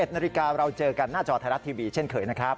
๑นาฬิกาเราเจอกันหน้าจอไทยรัฐทีวีเช่นเคยนะครับ